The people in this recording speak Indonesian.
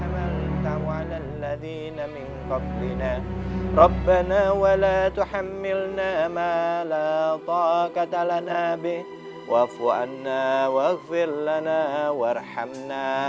di dalam kabel ini rabbana walau tuhamilnama lapa katalan abih wafwanna wafil lana warhamna